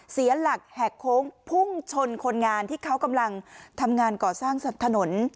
เสียหลักแหกโค้งพุ่งชนคนงานที่เขากำลังทำงานก่อสร้างถนน